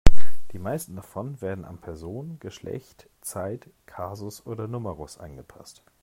Die meisten davon werden an Person, Geschlecht, Zeit, Kasus oder Numerus angepasst.